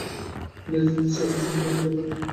Coeliac disease আছে সন্দেহ হলে ডাক্তারের পরামর্শ নিতে হবে।